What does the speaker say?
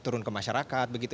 turun ke masyarakat begitu